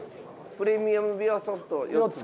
プレミアムびわソフトを４つで。